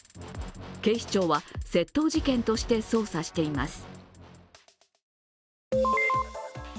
警視庁は窃盗事件として捜査しています。